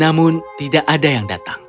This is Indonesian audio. namun tidak ada yang datang